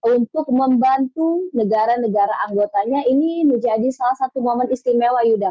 untuk membantu negara negara anggotanya ini menjadi salah satu momen istimewa yuda